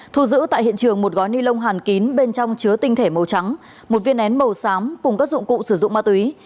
thu giữ tại hiện trường một gói ni lông hàn kín bên trong chứa tinh thể màu trắng một viên nén màu xám cùng các dụng cụ sử dụng ma túy